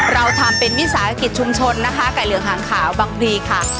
เราทำเป็นวิสาหกิจชุมชนนะคะไก่เหลืองหางขาวบังพลีค่ะ